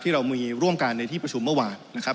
เรามีร่วมกันในที่ประชุมเมื่อวานนะครับ